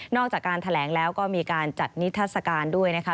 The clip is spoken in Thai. นอกจากการแถลงแล้วก็มีการจัดนิทศการณ์